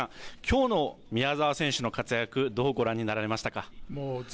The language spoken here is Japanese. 菊地さん、きょうの宮澤選手の活躍、どうご覧になられましたか。